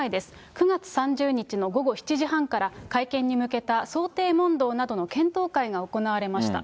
９月３０日の午後７時半から、会見に向けた想定問答などの検討会が行われました。